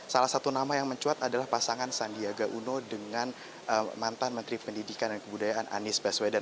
salah satu nama yang mencuat adalah pasangan sandiaga uno dengan mantan menteri pendidikan dan kebudayaan anies baswedan